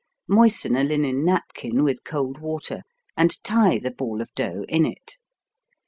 Moisten a linen napkin with cold water and tie the ball of dough in it.